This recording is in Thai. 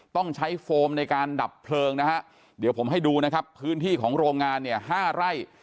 ต้องใช้โฟมในการดับเพลิงนะฮะเดี๋ยวผมให้ดูนะครับพื้นที่ของโรงงานเนี่ย๕ไร่